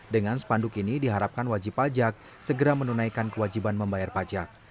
dengan spanduk ini diharapkan wajib pajak segera menunaikan kewajiban membayar pajak